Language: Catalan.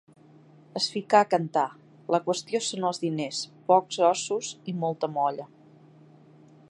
Es ficà a cantar: 'La qüestió són els diners, pocs ossos i molta molla.'